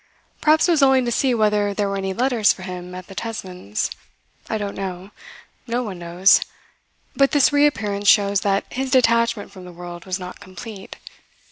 Perhaps it was only to see whether there were any letters for him at the Tesmans. I don't know. No one knows. But this reappearance shows that his detachment from the world was not complete.